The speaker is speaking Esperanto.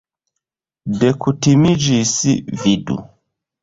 Dekutimiĝis, vidu!